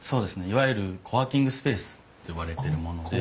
いわゆるコワーキングスペースといわれてるもので。